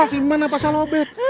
wah si mana pasal obet